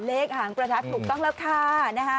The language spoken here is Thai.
หางประทัดถูกต้องแล้วค่ะ